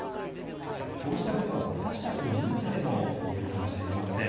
こうしたことは私たちのニュースでもいえるかもしれません。